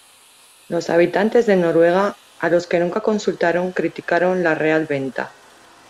Los habitantes de Noruega, a los que nunca consultaron, criticaron la real venta.